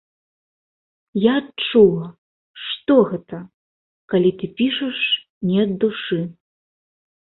Я адчула, што гэта, калі ты пішаш не ад душы.